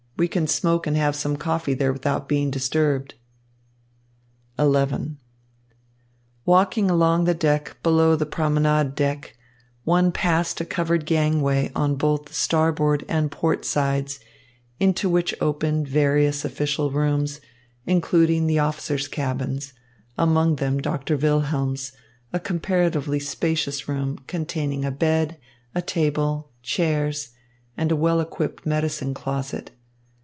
We can smoke and have some coffee there without being disturbed." XI Walking along the deck below the promenade deck, one passed a covered gangway on both the starboard and port sides, into which opened various official rooms, including the officers' cabins, among them Doctor Wilhelm's, a comparatively spacious room, containing a bed, a table, chairs, and a well equipped medicine closet.